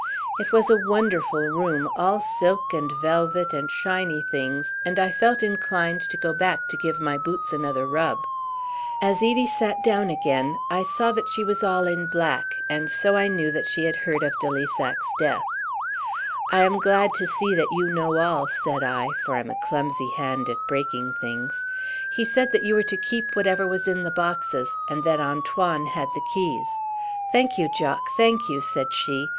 It was a wonderful room, all silk and velvet and shiny things, and I felt inclined to go back to give my boots another rub. As Edie sat down again, I saw that she was all in black, and so I knew that she had heard of de Lissac's death. "I am glad to see that you know all," said I, for I am a clumsy hand at breaking things. "He said that you were to keep whatever was in the boxes, and that Antoine had the keys." "Thank you, Jock, thank you," said she.